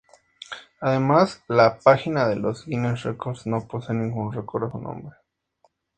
Además, la página de los Guinness Records no posee ningún record a su nombre.